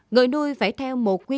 người nuôi phải theo một quyền